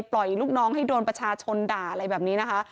ลูกน้องให้โดนประชาชนด่าอะไรแบบนี้นะคะ